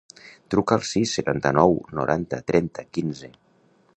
Truca al sis, setanta-nou, noranta, trenta, quinze.